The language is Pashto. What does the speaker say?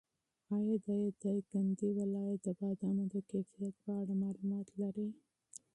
ایا د دایکنډي ولایت د بادامو د کیفیت په اړه معلومات لرې؟